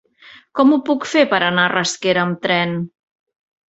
Com ho puc fer per anar a Rasquera amb tren?